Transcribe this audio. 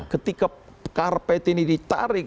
ketika karpet ini ditarik